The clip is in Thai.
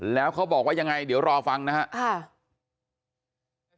แล้วเขาบอกว่ายังไงเดี๋ยวรอฟังนะครับ